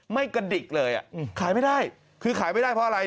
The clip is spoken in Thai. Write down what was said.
ไม่กระดิกเลยอ่ะขายไม่ได้คือขายไม่ได้เพราะอะไร